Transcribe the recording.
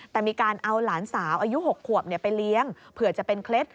แต่มีการเอาหลานสาวอายุ๖ขวบไปเลี้ยงเผื่อจะเป็นเคล็ด